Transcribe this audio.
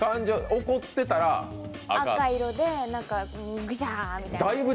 怒ってたら赤色でぐしゃーみたいな。